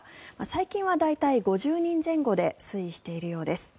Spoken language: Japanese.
最近は大体５０人前後で推移しているようです。